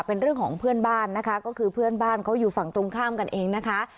เป็นเรื่องของเพื่อนบ้านนะคะก็คือเพื่อนบ้านเขาอยู่ฝั่งตรงข้ามกันเองนะคะ